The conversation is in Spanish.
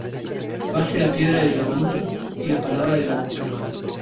Vase la piedra de la honda y la palabra de la boca.